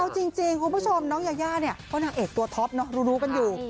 เอาจริงคุณผู้ชมน้องยายาเนี่ยก็นางเอกตัวท็อปเนอะรู้กันอยู่